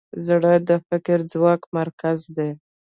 زړه د فکري ځواک مرکز دی.